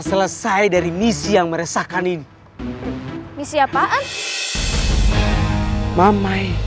kalau sudah kelak homeshinking maal atyta